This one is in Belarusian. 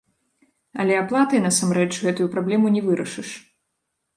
Але аплатай, насамрэч, гэтую праблему не вырашыш.